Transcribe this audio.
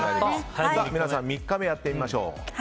皆さん３日目をやってみましょう。